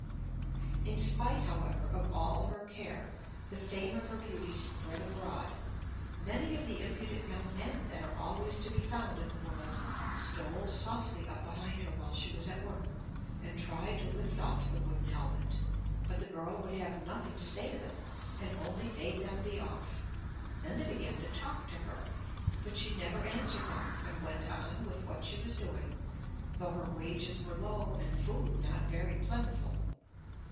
In spite, however, of all her care the fame of her beauty spread abroad: many of the impudent young men that are always to be found in the world stole softly up behind her while she was at work, and tried to lift off the wooden helmet. But the girl would have nothing to say to them, and only bade them be off; then they began to talk to her, but she never answered them, and went on with what she was doing, though her wages were low and food not very plentiful.